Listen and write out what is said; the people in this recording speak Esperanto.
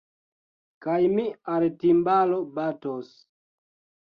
Kaj mi al timbalo batos.